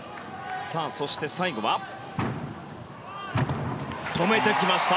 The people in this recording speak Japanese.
そして、最後は止めてきました！